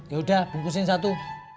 ya udah bungkusin satu